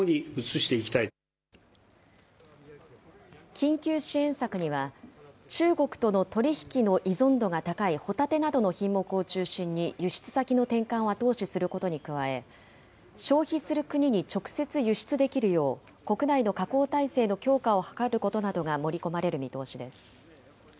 緊急支援策には、中国との取り引きの依存度が高いホタテなどの品目を中心に輸出先の転換を後押しすることに加え、消費する国に直接輸出できるよう、国内の加工体制の強化を図ることなどが盛り込まれる見通しです。